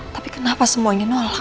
tapi kenapa semuanya menolak